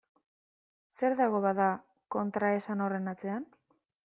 Zer dago, bada, kontraesan horren atzean?